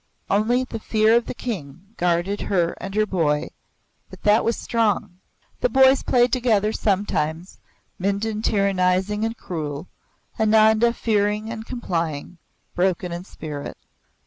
Only the fear of the King guarded her and her boy, but that was strong. The boys played together sometimes, Mindon tyrannizing and cruel, Ananda fearing and complying, broken in spirit.